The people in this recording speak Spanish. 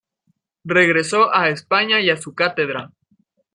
Regresó a España y a su cátedra.